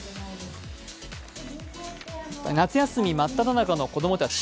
夏休み真っただ中の子供たち。